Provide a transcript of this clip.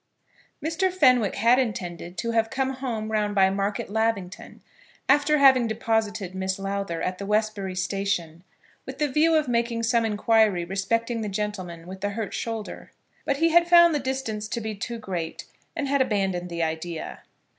Mr. Fenwick had intended to have come home round by Market Lavington, after having deposited Miss Lowther at the Westbury Station, with the view of making some inquiry respecting the gentleman with the hurt shoulder; but he had found the distance to be too great, and had abandoned the idea.